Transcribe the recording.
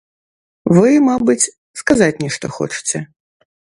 Вы, мабыць, сказаць нешта хочаце?